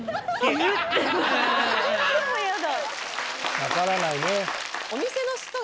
分からないね。